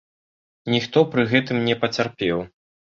Ніхто пры гэтым не пацярпеў.